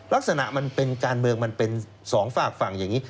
ลักษณะมันเป็นการเมืองมันเป็นสองฝากฝั่งอย่างนี้